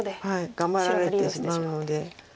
頑張られてしまうので。